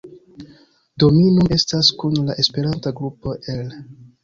Do mi nun estas kun la Esperanta grupo el